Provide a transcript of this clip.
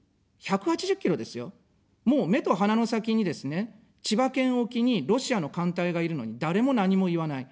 １８０ｋｍですよ、もう目と鼻の先にですね、千葉県沖にロシアの艦隊がいるのに誰も何も言わない。